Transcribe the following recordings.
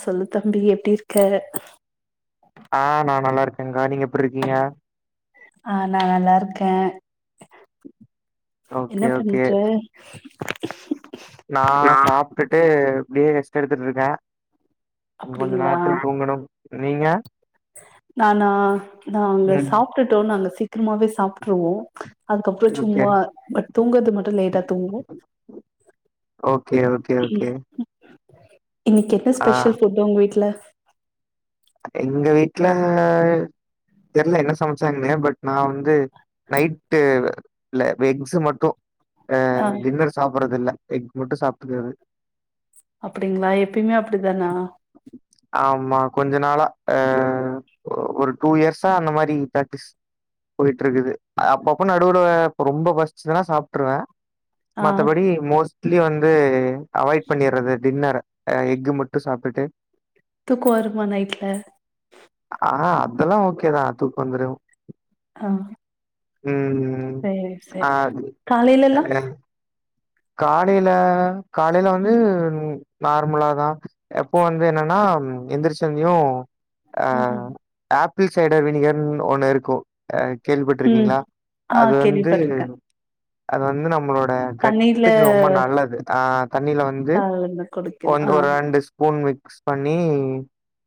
சொல்லு தம்பி எப்டி இருக்க ஆ நா நல்லா இருக்கேங்க்கா நீங்க எப்பிட்ருக்கீங்க ஆ நா நல்லா இருக்கே என்ன ஓகே ஓகே பண்ற [inaudible] நா சாப்ட்டுட்டு இப்டியே ரெஸ்ட் எடுத்துட்ருக்கே கொஞ்ச அப்டிங்களா நேரத்துல தூங்கணு நீங்க நானா நாங்க அங்க ம் சாப்ட்டுட்டோ நாங்க சீக்கிரமாவே சாப்ட்ருவோ அதுக்கு அப்புறோ ஓகே சும்மா பட் தூங்குறது மட்டு லேட்டா தூங்குவோ ஓகே ஓகே ஓகே இன்னைக்கு என்ன ஆ ஸ்பெஷல் ஃபுட்டு உங்க வீட்ல எங்க வீட்ல தெர்ல என்ன சமச்சாங்கன்னு பட் நா வந்து நைட்டு இல்ல வெக்ஸ் மட்டு அ ஆ டின்னர் சாப்புறது இல்ல எக் மட்டு சாப்புட்டுக்குறது அப்டிங்களா எப்பயுமே அப்டிதானா ஆமா கொஞ்ச நாளா ஆ ஒரு டூ இயர்ஸா அந்த மாரி பிராக்டிஸ் போயிட்டு இருக்குது அப்ப அப்ப நடுவுல ரொம்ப பசிச்சனா சாப்ட்டுருவே ஆ மத்தபடி மோஸ் ட்லி வந்து அவாய்ட் பண்ணிட்றது டின்னர அ எக்கு மட்டு சாப்ட்டுட்டு தூக்கு வருமா நைட்ல ஆ அதெல்லா ஓகேதா தூக்க வந்துடு ஆ ம் சேரி ஆ சேரி காலைலல்லா அ காலையில காலையில வந்து ம் நார்மலாதா எப்பவு வந்து என்னன்னா எந்திரிச்ச உனையு ம் ஹும் ஆப்பிள் சைடர் விணிகர்ன் ஒண்ணு இருக்கு அ ம் கேள்விப்பட்ருக்கிங்களா ஆ அது வந்து கேள்விப்பட்ருக்கே அது வந்து நம்மளோட கட் தண்ணில டுக்கு ரொம்ப நல்லது ஆ தண்ணில வந்து கால்ல குடிக்கணு ஒண் ஆ ஒரு ரெண்டு ஸ்பூன் மிக்ஸ் பண்ணி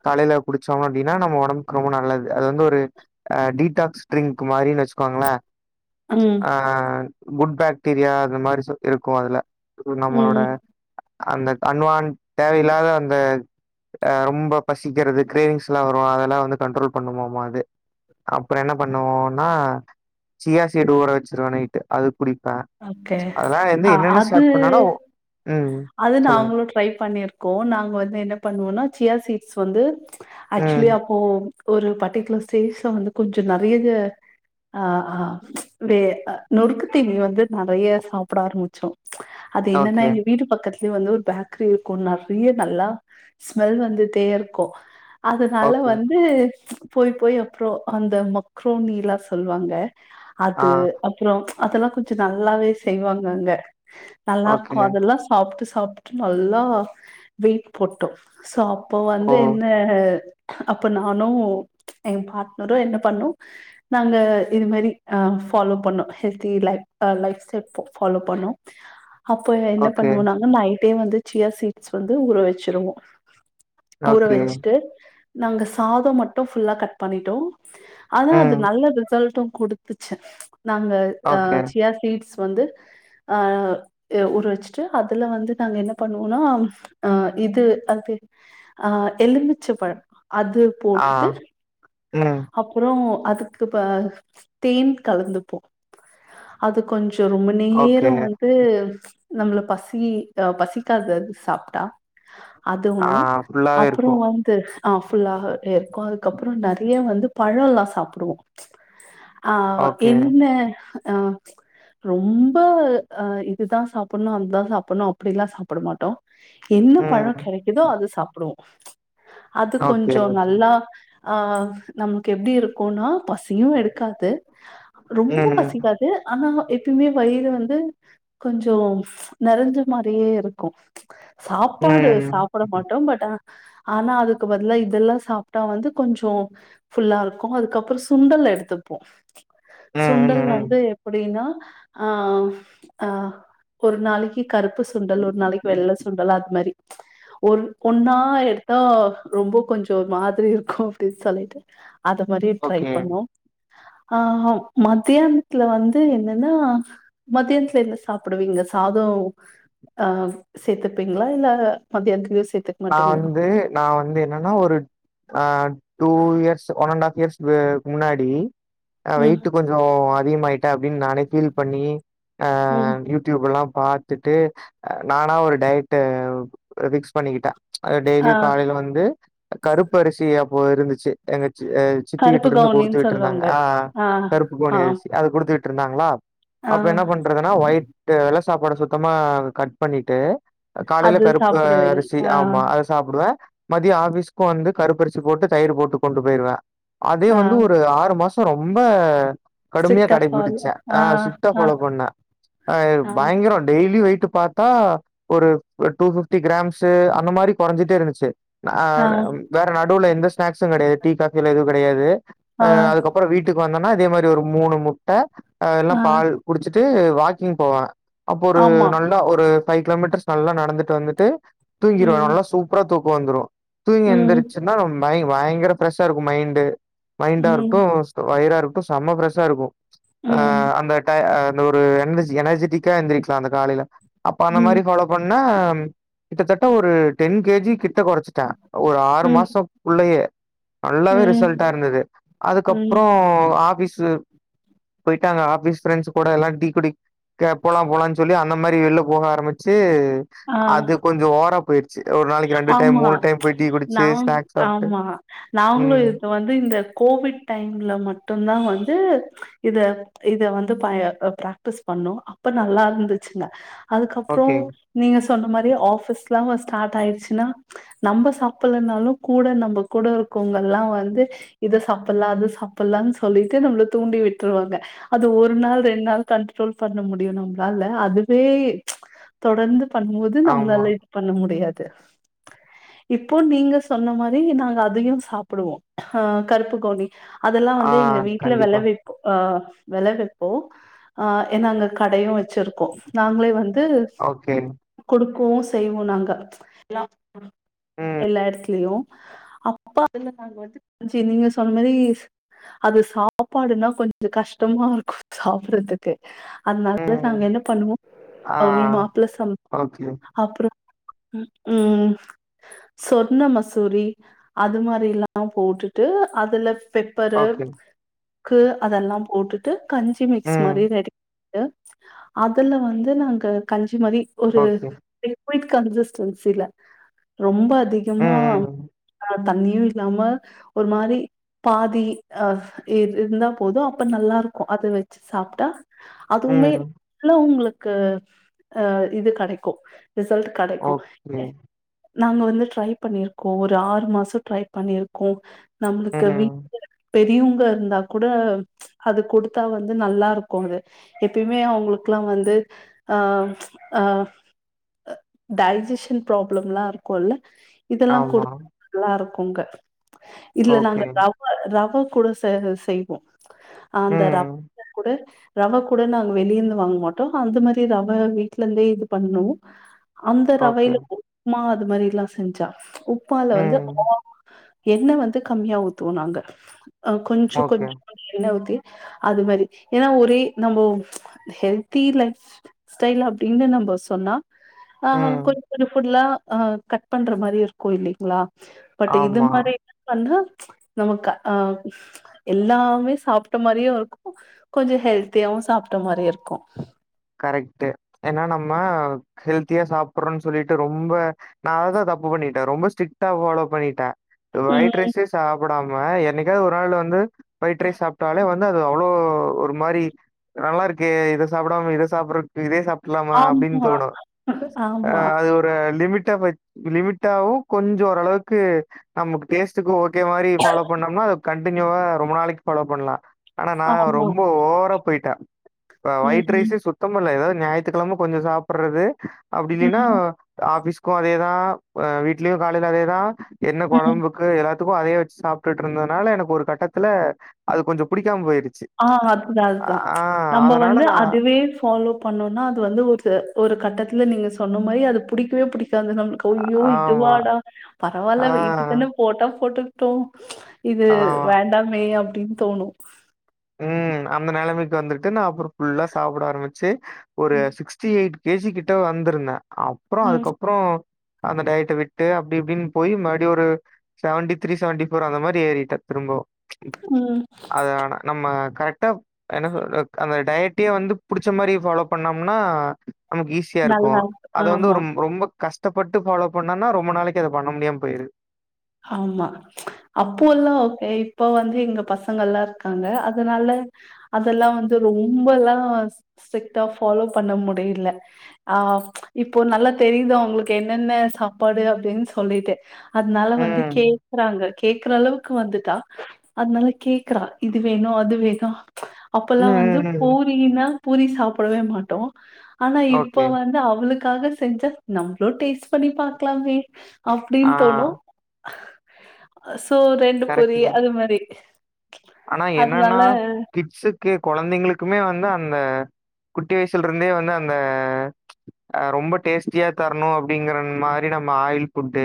காலையில குடிச்சோன்னா அப்டின்னா நம்ம ஒடம்புக்கு ரொம்ப நல்லது அது வந்து ஒரு ஆ டீடாக்ஸ் ட்ரிங்க் மாரினு வெச்சுக்கோங்களே ம் ஆ குட் பாக்டீரியா அந்த மாரி சு இருக்கு அதுல நம்மளோட ம் அந்த அன்வான் தேவையில்லாத அந்த ஆ ரொம்ப பசிக்கிறதுக்கு கிரேவிங்ஸ் எல்லாம் வரும் அது எல்லாம் வந்து கண்ட்ரோல் பண்ணுமா அது அப்ரோ என்ன பண்ணுவோம்னா சியாசிடு ஊற வச்சிருவ நைட்டு அது குடிப்ப ஓகே அ அது பண்ணனா ஒ ம் அது நான் சொல்லுங்க அவங்களோடு ட்ரை பண்ணிருக்கோம் நாங்க வந்து என்ன பண்ணுவோம்ன்னா சியாசிடுஸ் வந்து ம் ஆக்சுவல ஓ ஒரு பர்ட்டிகுலர் ஸ்டேஜ்ல வந்து கொஞ்சோ நறையதா அ ஆ வே நொறுக்கு தீனி வந்து நறைய சாப்பிட ஆரம்பிச்சோம் அது என்னனா ஓகே எங்க வீட்டு பக்கத் கீழ வந்து ஒரு பேக்கரி இருக்கு நறைய நல்லா ஸ்மெல் வந்துட்டேருக்கு அதனால ஓகே வந்து போய் போய் அப்றோ அந்த மக்ரோனிலா சொல்வாங்க அது ஆ அப்றோ அதெல்லா கொஞ்சோ நல்லாவே செய்வாங்க அங்க நல்லா இருக்கு ஓகே அதெல்லா சாப்ட்டு சாப்ட்டு நல்லா வெயிட் போட்டோ சோ அப்போ வந்து ஓ என்ன அப்ப நானு எங்க பார்ட்னரு என்ன பண்ணோ நாங்க இது மாரி அ ஃபாலோ பண்ணு ஹெல்த்தி லைஃப் லைஃப்ஸ்டை செட்ஃபாலோ பண்ணோ அப்போ என்ன ஓகே பண்ணுவோனாங்க நைட்டே வந்து சியா சீட்ஸ் வந்து ஊற வச்சிருவோ ஊற ஓகே. வச்சுட்டு நாங்க சாத மட்டும் ஃபுல்லா கட் பண்ணிட்டோ ஆன அது ம். நல்ல ரிசல்ட்டு குடுத் வச்ச நாங்க அ ஓகே. சியா சீட்ஸ் வந்து ஆ ஊற வச்சிட்டு அதுல வந்து நாங்க என்ன பண்ணுவோனா ஆ இது அது ஆ எலுமிச்சை பழம் அது ஆ. போட்டுட்டு ம். அப்புறோ அதுக்கு ப தேன் கலந்துப்போ அது கொஞ்சோ ரொம்ப ஓகே. நேரோ வந் ந்து நம்மளே பசி ஆ பசிக்காதது சாப்ட்டா அது ஆ ஒண்ணு ஃபுல்லாவே அப்புறோ இருக்கும். வந் து ஆ ஃபுல்லா இருக்கு அதுக்கு அப்புறோ நறைய வந்து பழோல்லா சாப்புடுவோ ஆ ஓகே. என்ன ரொம்ப அ இதுதா சாப்பிடணு அதுதா சாப்பிடணு அப்டியிலா சாப்பிட மாட்டோ என்ன பழோ ம். கெடைக்குதோ அது சாப்புடுவோ அது ஓகே, கொஞ்சோ ஓகே. நல்லா ஆ நம்க்கு எப்டி இருக்குனா பசியு எடுக்காது ரொம்ப ம். பசிக்காது து ஆனாலு எப்பயுமே வயிறு வந்து கொஞ்சோ நெறைஞ்ச மாதிரியே இருக்கு ம். சாப்பாடு சாப்பிட மாட்டோ பட் ஆ ஆனா அதுக்கு பதில இது எல்லா சாப்ட்டா வந்து கொஞ்சோ ஃபுல்லா இருக்கு அதுக்கு அப்புறோ சுண்டல் எடுத்துப்போ ம், ம், சுண்டல் ம். வந்து எப்டின்னா ஆ ஆ ஒரு நாளைக் தி கருப்பு சுண்டல் ஒரு நாளைக்கு வெள்ள சுண்டல் அது மாரி [inaudible] ஒரு பெண்ணா எடுத்தா ரொம்ப கொஞ்சோ மாதிரி இருக்கு அப்டின்னு சொல்லிட்டு அது மாதிரி ட்ரை ஓகே. பண்ணோ ஆ மத்தியானத்துல வந்து என்னன்னா மதியத்துல என்ன சாப்பிடுவீங்க சாதம் ஆ சேத்துப்பீங்களா இல்ல மதியானத்துக்கு சேத்து நா வந்து நா வந்து என்னன்னா ஒரு ஆ two years one and half years ம் முன்னாடி ம், வெயிட் கொஞ்சோ அதிகாமாயிட்ட அப்டின்னு நானே பீல் பண்ணி ஆ ம் யூடியூப் எல்லா பாத்துட்டு நானா ஒரு டயட்ட ஃபிக்ஸ் பண்ணிக்கிட்ட அ ஆ டெய்லியு காலையில வந்து கருப்பு அரிசி அப்போ இருந்துச்சு எங்க ச அ சித்தி கருப்பு வீட்டுல இருந்து கவுனின்னு கொடுத்து விட்டு இருந்தாங்க சொல்லுவாங்க. ஆ கருப்பு ஆ, கோணி அரிசி அது கொடுத்துக்கிட்டு இருந்தாங்களா ஆ. அப்ப என்ன பண்றதுன்னா ஒயிட்டு வெல்ல சாப்பாட சுத்தமா கட் பண்ணிட்டு காலையில அது கருப்பு சாப்பிடுவேன். அரிசி ஆ, ஆமா சாப்டுவ மதியோ ஆஃபிஸ்க்கு வந்து கருப்பு அரிசி போட்டு தயிர் போட்டு கொண்டு போயிருவ அதயு ஆ. வந்து ஒரு ஆறு மாசோ ரொம்ப கடுமையா ஸ்ட்ரிக்டா ஃபாலோ கடைப்பிடிச்சே ஆ ஸ்டிரிட்டா ஆ ஃபாலோ பண்ணே ஆ பயங்கர டெய்லி வெயிட்டு பாத்தா ஒரு டூ பிப்டி கிராம்ஸ் அந்த மாறி குறைஞ்சிட்டே இருந்துச்சு ஆ வேற நடுவுல எந்த ஸ்நாக்ஸும் கிடையாது டீ காபியில எதுவும் கிடையாது் ஆ அதுக்கறம் அப்ரோ வீட்டுக்கு வந்தனா அதே மாரி ஒரு மூணு முட்ட ஆ என்ன பால் குடிச்சிட்டு வாக்கிங் போவ போவேன் அப்போ ஒரு ஆமா. நல்லா ஒரு பஃபைவ் கிலோமீட்டர்ஸ் நல்லா நடந்துட்டு வந்துட்டு தூங்கிடுவன் ம். நல்லா சூப் புற தூக்கம் வந்துடும் தூங்கி ம். எந்திரருச்சுன்னா பயங்கர ஃரெஷா இருக்கும் மைண்டு் மைண்டா ம். இருக்கட்டும் வயிராக இருக்கட்டும் செம்ம ஃப்ரெஷ்ஷா இருக்கும் ஆ ம். அந்த டாயி ஆ ஒரு எனர்ஜி எனர்ஜிடிக்கா எந்திருக்கலாம் அந்த காலையில அப்ப அந்த மாதிரி ம். ஃபாலோ பன்னா கிட்டத்தட்ட ஒரு டென் கேஜி கிட்ட குறைச்சிட்ட ஒரு ஆறு ம். மாஷோ குள்ளையே நல்லாவே ம். ரிசல்டா இருந்தது ம். அதுக்கப்ரோ ஆபீஸ் போயிட்டாங்க ஆபீஸ்ஃப்ரண்ட்ஸ் கூட எல்லாம் டீ குடிக் க போலாம் போலாம்னு சொல்லி அந்த மாரி வெல்ல போக ஆரம்பிச்சு ஆ அது கொஞ்சோ ஓவரா போயிருச் ஒரு நாளைக்கு ரெண்டு டைம் ஆமா. மூணு டை போய் டீ குடிச்சு நான் ஸ்நாக்ஸ் சாப்ட்டு உம் து இந்த கோவிட் டைம்ல மட்டு தா வந்து இத இத வந்து பய பிராக் பிஸ் பண்னோ அப்ப நல்லா இருந்துச்சுங்க அதுக்கப்ரோ ஓகே நீங்க சொன்ன மாதிரி ஆபீஸ்லாம் ஸ்டார்ட் ஆயிிரு சுனா நம்ப சாப்பிடலனாலும் கூட நம்ப கூடருக்கவங்கலா வந்து இத சாப்பிலாம் அத சாப்பிலாம்னு சொல்லிட்டு நம்மள தூண்டி விட்டுருவாங்க அது ஒரு நாள் ரெண்டு நாள் கண்ட்ரோல் பண்ண முடியும் நம்மளால அதுவே தொடர்ந்து பண்ணும்போது ஆமா நம்மளால இது பண்ண முடியாது இப்போ நீங்க சொன்ன மாரி நாங்க அதையும் சாப்பிடுவோம் ஆ கருப்புக்கோணி அதெல்லாம் ஆ வந்து இங்க வீட்டுல கண்டிப்பா விளவி ஆ விளைவிப்போ ஆ ஏனா அங்க கடையும் வச்சிருக் கோ நாங்களே வந்து கொடுக்கவு செய்வோம் நாங்க எல்லா எல்லா எடத்துலயும் அப்பா அதுல நாங்க வந்துச நீங்க சொன்ன மாரி அது சாப்பாடுன்னா கொஞ்சோ கஷ்டமா இருக்கும் சாப்டறதுக்கு அதனால நாங்க என்ன பண்ணுவோம் அவ நீ மாப்பிள்ள சம் அப்ரோ உம் ம் சொர்ண மசூரி அது மாரிலா போட்டுட்டு அதுல பே பரு கு அதெல்லாம் போட்டுட்டு கஞ்சி மிக்ஸ் மாரி ரெடி டு அதுல வந்து நாங்க கஞ்சி மாரி ஒரு குயிக் கன்சிஸ்டன்சில ரொம்ப அதிகமா ஆ தண்ணியும் இல்லாம ஒரு மாரி பாதி ஆ இருந்தா போதும் அப்ப நல்லா இருக்கும் அத வச்சு சாப்ட்டா அதுவுமே லு உங்களுக்கு ஆ இது கடைக்கும் ரிசல்ட் கெடைக்கும். ஓகே நாங்க வந்து ட்ரை பண்ணிருக்கோம் ஒரு ஆறு மாசோ ட்ரை பண்ணிருக்கோம் நம்மளுக்கு வீட்டு பெரியவங்க இருந்தா கூட அது கொடுத்தா வந்து நல்லா இருக்கும் அது எப்பயுமே அவங்களுளுக்குல்லாம் வந்து அ ஆ டய்ஜஷ டின் ப்ராப்ளம்லா இருக்குல்ல இதெல்லா கொடு ஆமா. [inaudible] நல்லாருக்கு அங்க இதுல நாங்க ஓகே. ரவ ரவ கூட சே [unintelligible] செய்வோ அந்த ம். ரவ கூட ரவ கூட நாங்க வெளியர்ந்து வாங் மாட்டோ அந்த மாரி ரவ வீட்லர்ந்தே இது பண்ணு அந்த ஓகே. ரவைல உப்மா அது மாரில்லா செஞ்சா உப்மால வந்து ம். [inaudible] எண்ண வந்து கம்மியா ஊத்துவோ நாங்க அ கொஞ்ச ஓகே. கொஞ்சோ எண்ண ஊத்தி அது மாரி ஏனா ஒரே நம்போ ஹெல்த்தி லைஃப் ஸ்டைலு அப்டின்னு நம்ப சொன்னா ஆ ம். கொஞ்ச கொஞ்ச ஃபுட்லா அ கட் பண்ற மாரி இருக்கு இல்லீங்ளா பட்டு இது ஆமா. மாரி [inaudible] பண்ணா நமக்கு ஆ எல்லாமே சாப்ட்ட மாரியு இருக்கு கொஞ்சோ ஹெல்த்தியாவு சாப்ட்ட மாரி இருக்கு கரெக்ட்டு ஏனா நம்ம ஹெல்த்தியா சாப்பட்றோன் சொல்லிட்டு ரொம்ப நா அத தா தப்பு பண்ணிட்டே ரொம்ப ஸ்ட்ரிட்டா ஃபாலோ பண்ணிட்டே ஒய்ட் ம் ரைஸே சாப்படாம என்னைக்காவ்து ஒரு நாளு வந்து ஒய்ட் ரைஸ் சாப்ட்டாலே வ ந்து அது அவ்ளோ ஒரு மாரி நல்லா இருக்கே இத சாப்படாம இத சாப்பட்ற க்கு இதே சாப்ட்லாமா அப்டின் ஆமா தோணு அ ஆமா அது ஒ ரு லிமிட்டா வட் லிமிட்டாவு கொஞ்சோ ஓரளவுக்கு நமக்கு டேஸ்ட்டுக்கு ஓ கே மாரி ஃபாலோ பண்ணம்னா அது கன்டினியூவா ரொம்ப நாளைக் ஃபாலோ பண்லா ஆனா நா ஆமா ரொம்போ ஓவரா போய்ட்டா அ ஒயிட் ம் ரைஸே சுத்தமா இல்ல எதாவ்து ஞாய்த்துக்கெழம கொஞ்சோ சாப்பட்றது அப்டி ம் இல்லீனா ஆஃபீஸ்க்கு அதேதா அ வீட்லயு காலைல அதேதா என்ன ம் கொழம்பு க்கு எல்லாத்துக்கு அதே வெஸ் சாப்ட்டுட்ருந்தனால எனக் ஒரு கட்டத்துல அது கொஞ்சோ புடிக்காம போய்ருச்சு ஆ அதுதா அதுதா நம்ப வந்து நான் அதுவே ஃபாலோ பண்ணோனா அது வந்து ஒரு ஒரு கட்டத்துல நீங்க சொன்ன மாரி அது புடிக்கவே புடிக்காது நம் க் ஐயோ ஆமா. இதுவாடா ஆ பரவால்ல வெய்ட்டு தான போட்டா போட்டுக்ட்டு இது ஆமா. வேண்டாமே அப்டின் தோணு ம் அந்த நெலமைக் வந்துட்டு நா அப்பற ஃபுல்லா சாப்பட ஆரம்பிச்சு ஒரு ம், sixty eight K G கிட்ட வந்திருந்தே அப்றோ ம், அதுக்கப் றோ அந்த டயட்ட விட்டு அப்டி இப்டின் போய் மறுப்டியு ஒரு செவன்ட்டி த்ரீ செவன்ட்டி ஃபோர் அந்த மாரி ஏறிட்டா திரும்பவு இப்போ ம். அது ஆனா நம்ம கரெக்ட்டா என்ன சொல்றது அந்த டயட்டயே வந்து புடிச்ச மாரி ஃபாலோ பண்ணம்ன்னா நமக்கு ஈஸியாருக்கு நல்லா இருக்கு. அத வந்து ஆமா, ரொம் ரொம்போ கஷ்டப்பட்டு ஃபாலோ பண்ணம்னா ரொம்ப நாளைக்கு அத பண்ண முடியாம போயிர்து ஆமா அப்போ எல்லா ஓகே இப்போ வந்து எங்க பசங்கல்லா இருக்காங்க அதனால அதெல்லா வந்து ரொம்பல்லா ஸ்ட்ரிக்டா ஃபாலோ பண்ண முடியில ஆ இப்போ நல்லா தெரியிதா உங்களுக் என்னென்ன சாப்பாடு அப்டின் சொல்லிட்டு அத்னால வந்து ம். கேக்கறாங்க கேக்கற அளவுக்கு வந்துட்டா அத்னால கேக்கறா இது வேணு அது வேணு ம், அப்பல்லா வந்து ம், ம். பூரினா பூரி சாப்படவே மாட்டோ ஆனா இப்ப ஓகே. வந் து அவளுக்காக செஞ்சா நம்ப்ளு டேஸ்ட் பண்ணி பாக்லாமே அப்டின் ஆ தோணு சோ ரெண்டு கரெக்ட்டு பூரி தான். அது மாரி ஆனா என்னனா அதனால கிட்ஸுக் கே கொழந்தைங்களுக்குமே வந்து அந்த குட்டி வய்சுல்ருந்தே வந்து அந்த அ ரொம்போ டேஸ்ட்டியா தரணு அப்டிங்கற மாரி நம்ம ஆயில் ஃபுட்டு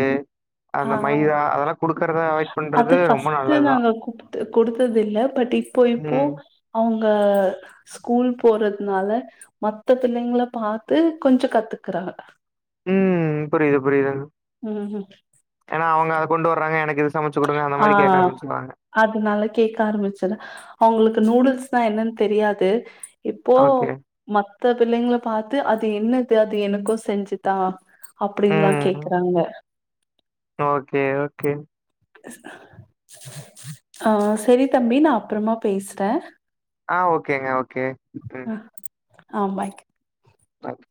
அந்த ஆ. மைதா அதலா குடுக்கறத அவாய்ட் அது பண்றது ரொம்ப ஃபஸ்ட்டு நல்லத் தா நாங்க குடுத்து குடுத்தது இல்ல பட் இப்போ இப்போ ம். அவங்க ஸ்கூல் போறதுனால மத்த பிள்ளைங்கள பாத்து கொஞ்ச கத்துக்குறாங்க ம் புரியுது புரியுது ம் ஏன்னா அவங்க அத கொண்டு வர்றாங்க எனக்கு இது சமச்ச குடுங்க அந்த ஆ மாரி கேக்க ஆரம்பிச்சுடுவாங்க அதனால கேக்க ஆரம்பிச்ச அவங்களுக்கு நூடுல்ஸ்னா என்னன்னு தெரியாது இப்போ ஓகே. மத்த பிள்ளைங்கள பாத்து அது என்னது அது எனக்கு செஞ்சுதா அப்பிடின்ல்லா ம். கேக்குறாங்க ஓகே ஓகே ஆ செரி தம்பி நா அப்றமா பேசுறே ஆ ஓகேங்க ஓகே ம் ஆ பாய் பாய்